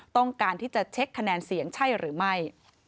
ต้องการที่จะเช็คคะแนนเสียงใช่หรือไม่